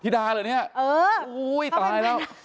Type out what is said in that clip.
ฮิดาเหรอเนี่ยตายแล้ว